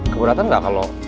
keberatan gak kalau